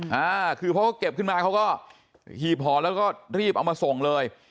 อ้าอะคือเพราะเก็บขึ้นมาพอเขียบหาว๊าแล้วก็ทรีบเอามาส่งเลย